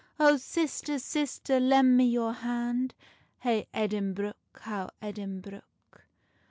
"Oh sister, sister, lend me your hand, Hey Edinbruch, how Edinbruch.